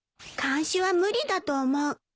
監視は無理だと思う。